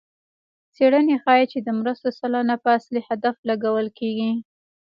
څېړنې ښيي چې د مرستو سلنه په اصلي هدف لګول کېږي.